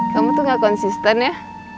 kamu tuh gak konsisten ya